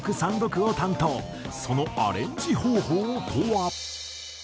そのアレンジ方法とは？